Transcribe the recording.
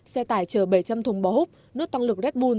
xe tải chở bảy trăm linh thùng bò hút nước tăng lực red bul